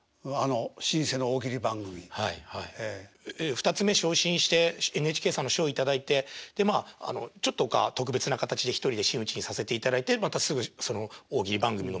二ツ目昇進してＮＨＫさんの賞頂いてでまあちょっと特別な形で１人で真打ちにさせていただいてまたすぐ大喜利番組の。